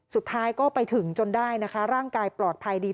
สุดท้ายก็ไปถึงจนได้นะคะร่างกายปลอดภัยดี